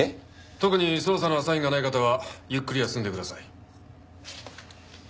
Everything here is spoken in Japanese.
特に捜査のアサインがない方はゆっくり休んでください。